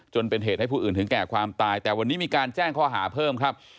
จนเป็นเหตุให้ผู้อื่นถึงแก่ความตายแต่วันนี้มีการแจ้งข้อหาเพิ่มครับ